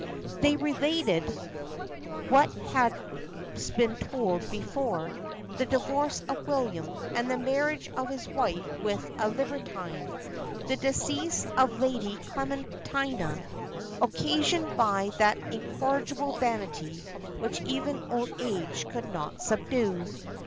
They related (what has been told before) the divorce of William, and the marriage of his wife with a libertine; the decease of Lady Clementina, occasioned by that incorrigible vanity which even old age could not subdue.